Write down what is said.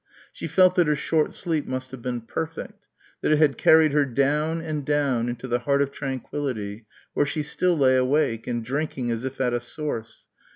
She felt that her short sleep must have been perfect, that it had carried her down and down into the heart of tranquillity where she still lay awake, and drinking as if at a source.